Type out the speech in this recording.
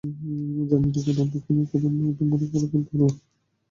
জানি না, কেন আপনাকে উনার এত মনে ধরলো।